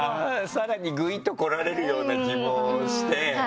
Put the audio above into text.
さらにグイっとこられるような気もして。